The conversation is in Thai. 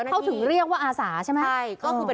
เขาถึงเรียกว่าอาสาใช่ไหม